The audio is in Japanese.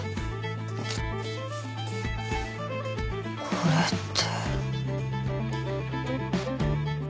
これって。